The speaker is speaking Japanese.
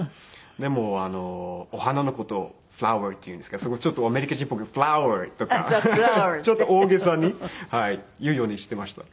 でもお花の事をフラワーっていうんですけどそこちょっとアメリカ人っぽくフラワーとかちょっと大げさに言うようにしていました。